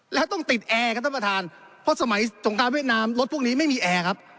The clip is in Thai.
แล้วต้องติดแอร์ครับท่านประธานเพราะสมัยสงครามเวียดนามรถพวกนี้ไม่มีแอร์ครับ